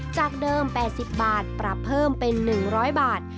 จากเดิม๘๐บาทปรับเพิ่มเป็น๑๐๐บาท